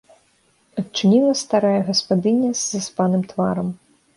Адчыніла старая гаспадыня з заспаным тварам.